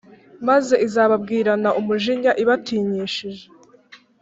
Maze izababwirana umujinya ibatinyishishe